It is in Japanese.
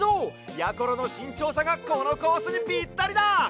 やころのしんちょうさがこのコースにピッタリだ！